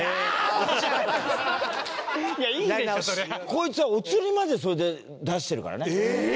こいつはお釣りまでそれで出してるからね。